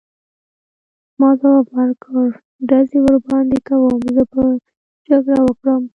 ما ځواب ورکړ: ډزې ورباندې کوم، زه به جګړه وکړم.